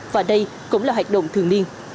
và đây cũng là hoạt động thường niên